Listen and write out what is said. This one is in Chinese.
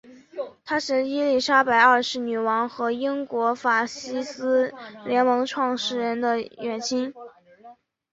他是伊丽莎白二世女王和英国法西斯联盟创始人的远亲。